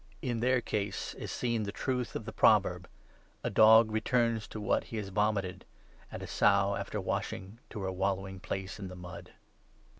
In their case is seen the truth of the pro 22 verb — 'A dog returns to what he has vomited' and 'A sow after washing to her vvallowing place in the mud.'